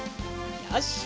よし！